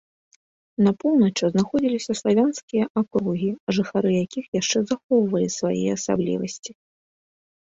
На поўначы знаходзіліся славянскія акругі, жыхары якіх яшчэ захоўвалі свае асаблівасці.